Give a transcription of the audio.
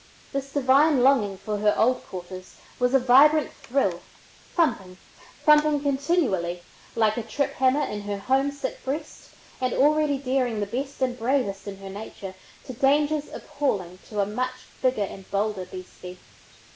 This divine longing for her old quarters was a vibrant thrill, thumping, thumping continually, like a trip hammer in her homesick breast, and already daring the best and bravest in her nature to dangers appalling to a much bigger and bolder beastie.